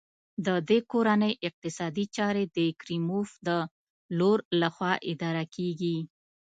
د دې کورنۍ اقتصادي چارې د کریموف د لور لخوا اداره کېږي.